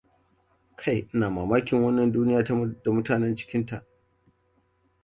Kai ina mamakin wannan duniya da mutanan cikinta!